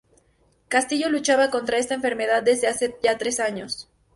Castillo luchaba contra esta enfermedad desde hace ya tres años.